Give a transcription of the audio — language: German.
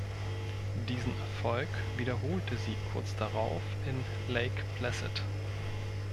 Diesen Erfolg wiederholte sie kurz darauf in Lake Placid.